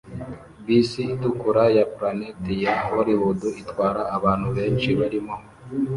Bisi itukura ya Planet ya Hollywood itwara abantu benshi barimo